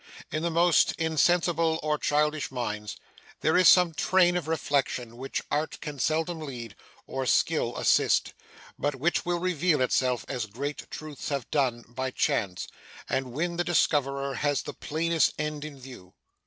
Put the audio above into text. In the most insensible or childish minds, there is some train of reflection which art can seldom lead, or skill assist, but which will reveal itself, as great truths have done, by chance, and when the discoverer has the plainest end in view.